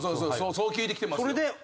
そう聞いてきてますよ。